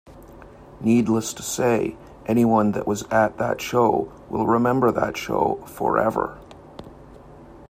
Needless to say, anyone that was at that show will remember that show forever.